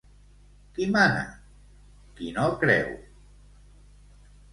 Qui mana? Qui no creu...